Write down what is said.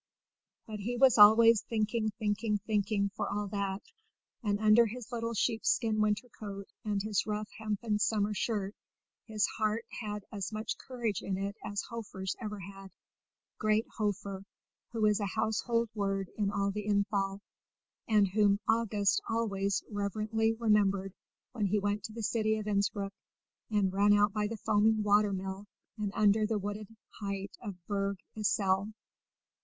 But he was always thinking, thinking, thinking, for all that; and under his little sheepskin winter coat and his rough hempen summer shirt his heart had as much courage in it as Hofer's ever had great Hofer, who is a household word in all the Innthal, and whom August always reverently remembered when he went to the city of Innspruck and ran out by the foaming water mill and under the wooded height of Berg Isel.